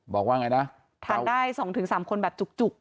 บอกว่าไงนะทานได้๒๓คนแบบจุก